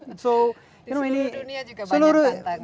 di seluruh dunia juga banyak tantangan